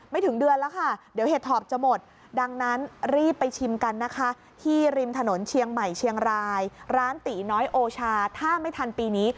ไม่ถึงเดือนแล้วค่ะเดี๋ยวเห็ดถอบจะหมด